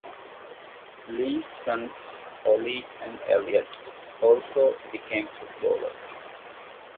Lee's sons, Olly and Elliot, also became footballers.